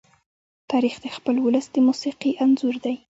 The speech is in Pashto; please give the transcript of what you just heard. تاریخ د خپل ولس د موسیقي انځور دی.